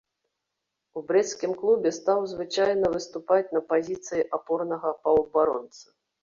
У брэсцкім клубе стаў звычайна выступаць на пазіцыі апорнага паўабаронцы.